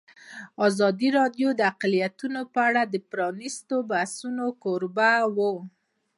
ازادي راډیو د اقلیتونه په اړه د پرانیستو بحثونو کوربه وه.